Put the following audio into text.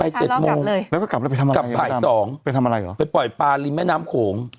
ไปเจ็ดโมงแล้วก็กลับแล้วไปทำอะไรไปทำอะไรเหรอไปปล่อยปลาลิมแม่น้ำโขง